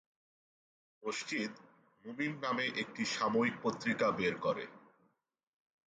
মসজিদ "মুমিন" নামে একটি সাময়িক পত্রিকা বের করে।